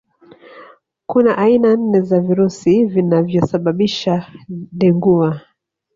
Kuna aina nne za virusi vinavyosababisha Dengua